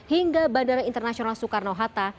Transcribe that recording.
hingga bandara internasional soekarno hatta